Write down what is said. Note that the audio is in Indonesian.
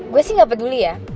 gue sih gak peduli ya